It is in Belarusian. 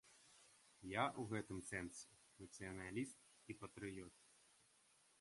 Я ў гэтым сэнсе нацыяналіст і патрыёт.